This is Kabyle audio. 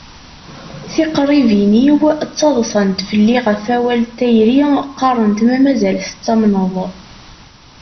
Tiqribin-iw ttaḍṣant felli ɣef wawal n tayri qqarent ma mazal tettamneḍ.